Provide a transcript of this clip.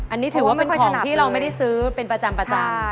อันนี้ถือว่าเป็นของที่เราไม่ได้ซื้อเป็นประจำ